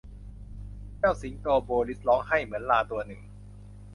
เจ้าสิงโตโบริสร้องไห้เหมือนลาตัวหนึ่ง